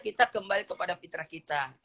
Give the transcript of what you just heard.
kita kembali kepada fitrah kita